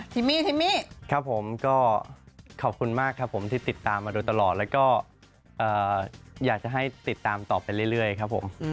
มี่ทิมมี่ครับผมก็ขอบคุณมากครับผมที่ติดตามมาโดยตลอดแล้วก็อยากจะให้ติดตามต่อไปเรื่อยครับผม